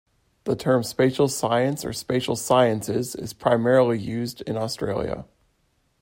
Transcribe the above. The term spatial science or spatial sciences is primarily used in Australia.